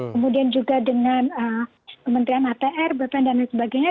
kemudian juga dengan kementerian atr bpn dan lain sebagainya